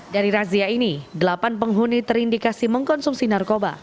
dari razia ini delapan penghuni terindikasi mengkonsumsi narkoba